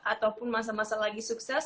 ataupun masa masa lagi sukses